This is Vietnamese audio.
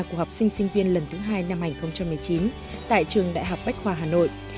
của học sinh sinh viên lần thứ hai năm hai nghìn một mươi chín tại trường đại học bách khoa hà nội